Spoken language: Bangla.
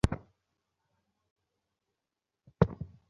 বলিয়া যোগেন্দ্রের কাছে গেলেন।